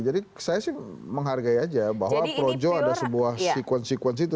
jadi saya sih menghargai aja bahwa projo ada sebuah sekuensi sekuensi itu